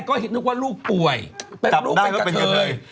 จับได้แล้วเป็นเงินเผย